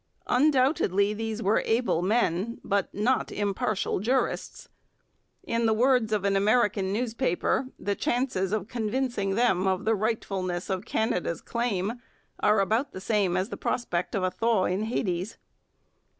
Undoubtedly these were able men, but not impartial jurists. In the words of an American newspaper, 'the chances of convincing them of the rightfulness of Canada's claim are about the same as the prospect of a thaw in Hades.'